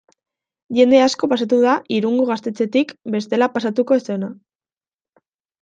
Jende asko pasatu da Irungo gaztetxetik bestela pasatuko ez zena.